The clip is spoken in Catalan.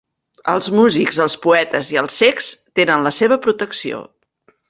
Els músics, els poetes i els cecs tenen la seva protecció.